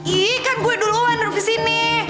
ih kan gue duluan rufi sini